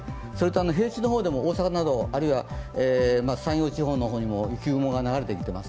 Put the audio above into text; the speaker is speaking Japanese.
平地の方でも大阪などあるいは山陽地方の方にも雪雲が流れてきています。